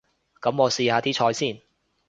噉我試下啲菜先